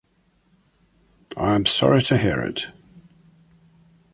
I am sorry to hear it.